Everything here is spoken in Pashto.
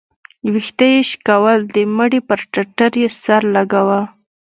ويښته يې شكول د مړي پر ټټر يې سر لګاوه.